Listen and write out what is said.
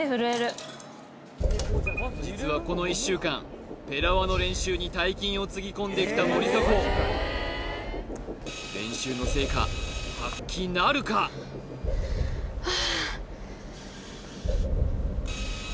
実はこの１週間ペラ輪の練習に大金をつぎ込んできた森迫練習の成果発揮なるか？は